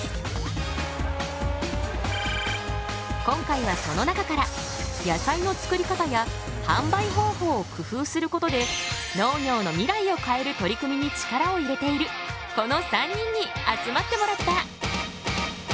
今回はその中から野菜の作り方や販売方法を工夫することで農業の未来を変える取り組みに力を入れているこの３人に集まってもらった。